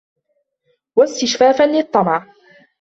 وَاسْتِشْفَافًا لِلطَّمَعِ